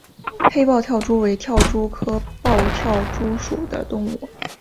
黑豹跳蛛为跳蛛科豹跳蛛属的动物。